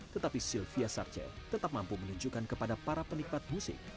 tetapi sylvia sarce tetap mampu menunjukkan kepada para penikmat musik